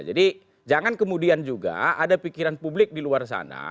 jadi jangan kemudian juga ada pikiran publik di luar sana